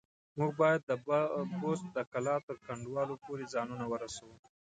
موږ بايد د بست د کلا تر کنډوالو پورې ځانونه ورسوو.